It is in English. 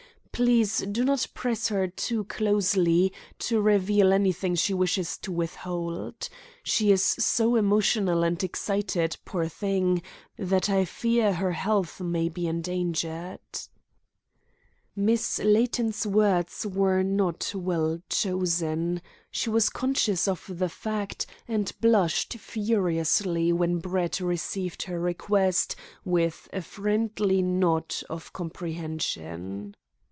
Please do not press her too closely to reveal anything she wishes to withhold. She is so emotional and excited, poor thing, that I fear her health may be endangered." Miss Layton's words were not well chosen. She was conscious of the fact, and blushed furiously when Brett received her request with a friendly nod of comprehension.